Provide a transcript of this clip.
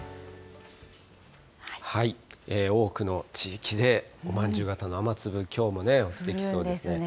多くの地域でおまんじゅう型の雨粒、きょうもね、落ちてきそうですね。